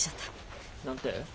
何て？